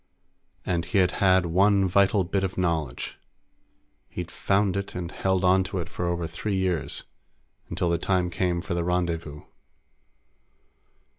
And he had had one vital bit of knowledge. He'd found it and held on to it for over three years, until the time came for the rendezvous.